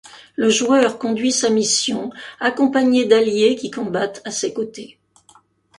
Le joueur conduit sa mission accompagné d'alliés qui combattent à ses côtés.